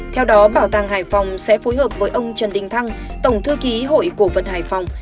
theo đó bảo tàng hải phòng sẽ phối hợp với ông trần đình thăng tổng thư ký hội cổ vật hải phòng